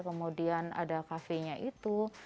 kemudian ada kafenya itu